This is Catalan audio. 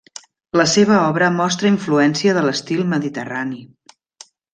La seva obra mostra influència de l'estil mediterrani.